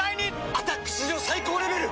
「アタック」史上最高レベル！